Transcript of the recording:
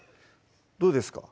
どうですか？